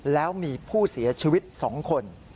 แล้วมีผู้เสียชีวิต๒คน